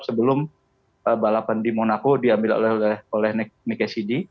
sebelum balapan di monaco diambil oleh nick cassidy